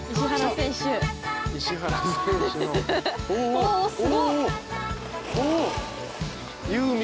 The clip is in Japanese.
おすごっ。